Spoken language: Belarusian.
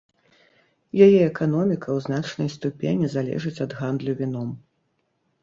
Яе эканоміка ў значнай ступені залежыць ад гандлю віном.